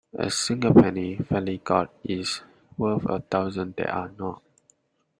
A single penny fairly got is worth a thousand that are not.